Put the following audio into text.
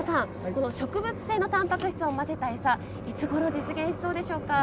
この植物性のタンパク質を混ぜた餌いつごろ実現しそうでしょうか。